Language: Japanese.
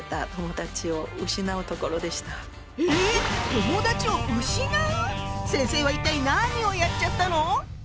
友だちを失う⁉先生は一体何をやっちゃったの？